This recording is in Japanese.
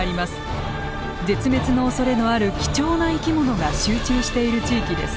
絶滅のおそれのある貴重な生き物が集中している地域です。